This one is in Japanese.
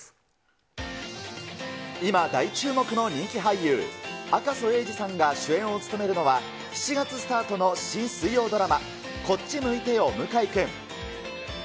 今、大注目の人気俳優、赤楚衛二さんが主演を務めるのは、７月スタートの新水曜ドラマ、こっち向いてよ向井くん。